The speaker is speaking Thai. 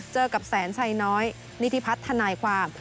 กับแสนชัยน้อยนิธิพัฒนาความ